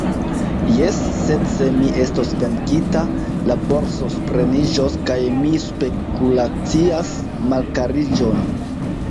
Jes, sed se mi estos venkita, la borso supreniĝos, kaj mi spekulacias malkariĝon.